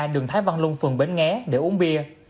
đường thái văn lung phường bến nghé để uống bia